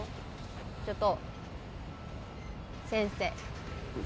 ちょっと先生先生